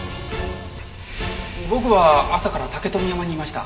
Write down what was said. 僕は朝から竹富山にいました。